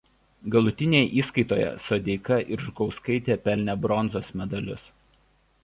Galutinėje įskaitoje Sodeika ir Žukauskaitė pelnė bronzos medalius.